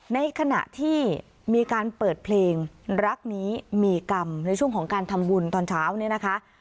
ในขณะที่มีการเปิดเพลงรักนี้มีกรรมในช่วงของการทำบุญตอนเช้าเนี่ยนะคะ